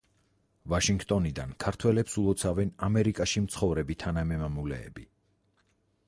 ვაშინგტონიდან ქართველებს ულოცავენ ამერიკაში მცხოვრები თანამემამულეები.